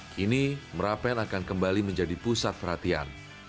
kini merapen akan kembali menjadi pusat perhatian